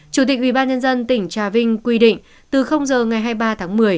chủ tịch ubnd tỉnh trà vinh quy định từ giờ ngày hai mươi ba tháng một mươi